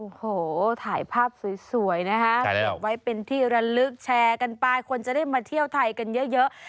โอ้โหถ่ายภาพสวยนะคะเก็บไว้เป็นที่ระลึกแชร์กันไปคนจะได้มาเที่ยวไทยกันเยอะ